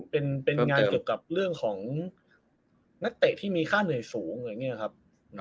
เป็นงานเกี่ยวกับเรื่องของนักเตะที่มีค่าเหนื่อยสูงอะไรอย่างนี้ครับ